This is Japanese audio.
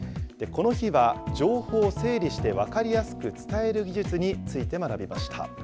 この日は、情報を整理して分かりやすく伝える技術について学びました。